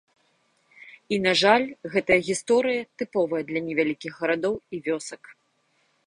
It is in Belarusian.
І, на жаль, гэтая гісторыя тыповая для невялікіх гарадоў і вёсак.